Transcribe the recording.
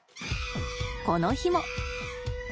この日も。